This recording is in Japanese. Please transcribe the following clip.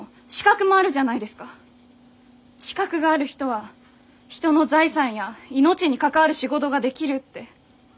資格がある人は人の財産や命に関わる仕事ができるって。